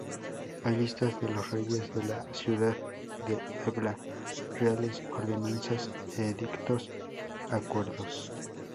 Hay listas de los reyes de la ciudad de Ebla, reales ordenanzas, edictos, acuerdos.